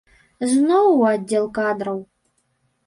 Зноў у аддзел кадраў.